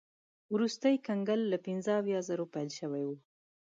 وروستی کنګل له پنځه اویا زرو پیل شوی و.